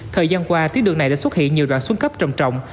thời gian qua tuyến đường này đã xuất hiện nhiều đoạn xuống cấp trầm trọng